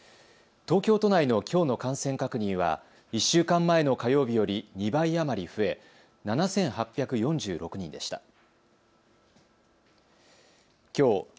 東京都内のきょうの感染確認は１週間前の火曜日より２倍余り増え７８４６人でした。